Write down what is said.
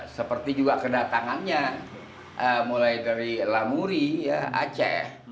seperti juga kedatangannya mulai dari lamuri aceh